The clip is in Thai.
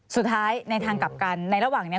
สุดท้ายในทางกลับกันในระหว่างนี้